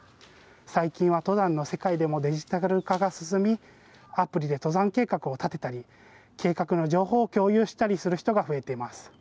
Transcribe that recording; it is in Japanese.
最近は登山の世界でもデジタル化が進み、アプリで登山計画を立てたり、計画の情報を共有したりする人が増えています。